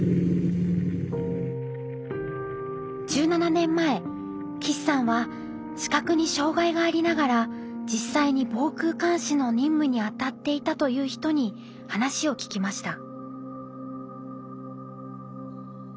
１７年前岸さんは視覚に障害がありながら実際に防空監視の任務にあたっていたという人に話を聞きました。